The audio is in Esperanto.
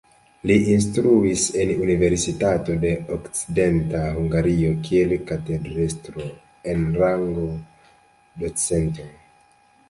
Li instruis en Universitato de Okcidenta Hungario kiel katedrestro en rango docento.